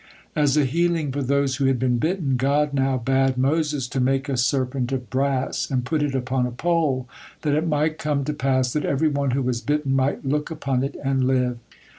As a healing for those who had been bitten, God now bade Moses to make a serpent of brass, and put it upon a pole, that it might come to pass that every one who was bitten might look upon it and live.